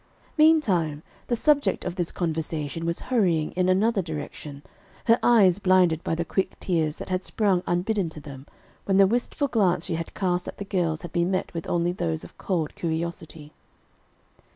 Meantime the subject of this conversation was hurrying in another direction, her eyes blinded by the quick tears that had sprung unbidden to them when the wistful glance she had cast at the girls had been met with only those of cold curiosity.